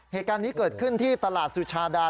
เหตุการณ์นี้เกิดขึ้นที่ตลาดสุชาดา